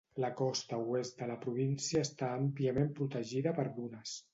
La costa oest de la província està àmpliament protegida per dunes.